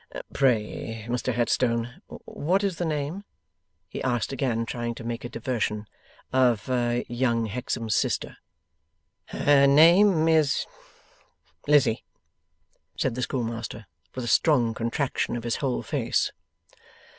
'Pray, Mr Headstone, what is the name,' he asked, again trying to make a diversion, 'of young Hexam's sister?' 'Her name is Lizzie,' said the schoolmaster, with a strong contraction of his whole face.